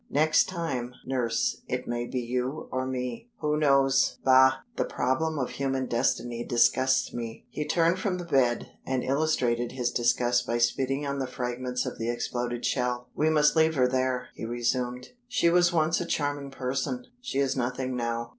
"Next time, nurse, it may be you or me. Who knows? Bah! the problem of human destiny disgusts me." He turned from the bed, and illustrated his disgust by spitting on the fragments of the exploded shell. "We must leave her there," he resumed. "She was once a charming person she is nothing now.